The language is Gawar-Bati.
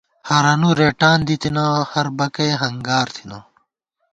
ہرَنُو رېٹان دِتنہ ، ہر بکَئے ہنگار تھنہ